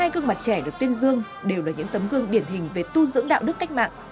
một mươi gương mặt trẻ được tuyên dương đều là những tấm gương điển hình về tu dưỡng đạo đức cách mạng